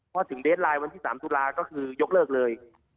เพราะถึงเดสไลน์วันที่สามสุดลาก็คือยกเลิกเลย